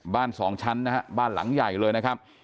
สองชั้นนะฮะบ้านหลังใหญ่เลยนะครับ